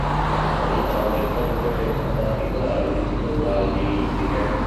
La salita alla vetta non presenta particolari difficoltà alpinistiche.